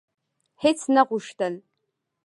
هیڅ نه غوښتل: